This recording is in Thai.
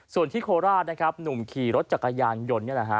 ส่วนที่โคราชนะครับหนุ่มขี่รถจักรยานยนต์นี่แหละฮะ